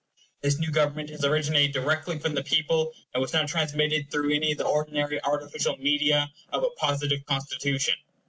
This new government has originated directly from the people, and was not transmitted through any of the ordinary artificial media of a positive constitution.